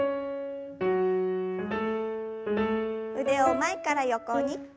腕を前から横に。